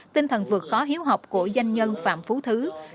tinh thần vượt khó hiếu học của doanh nhân phạm phú thứ